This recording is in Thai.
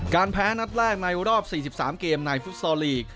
การแพ้นัดแรกในรอบ๔๓เกมในฟิสตอร์ลีก